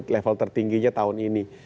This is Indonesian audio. level tertingginya tahun ini